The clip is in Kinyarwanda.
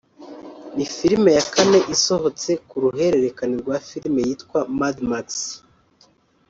ni filime ya kane isohotse ku ruhurerekane rwa filime yitwa Mad Max